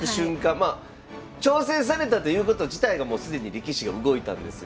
まあ挑戦されたということ自体がもう既に歴史が動いたんですが。